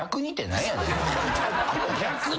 「逆に」